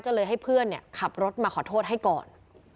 ก็เลยให้เพื่อนขับรถมาขอโทษให้ก่อน